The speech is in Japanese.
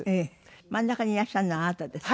真ん中にいらっしゃるのはあなたですか？